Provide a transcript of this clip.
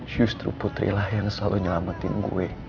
justru putri lah yang selalu nyelamatin gue